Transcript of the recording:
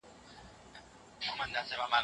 افغانستان بې تاریخه نه دی.